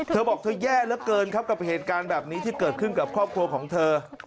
เธอบอกพี่แย่เท่ากับเหตุการณ์แบบนี้ที่เกิดขึ้นกับครอบครัวของเธอ